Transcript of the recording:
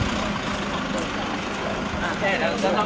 สวัสดีครับ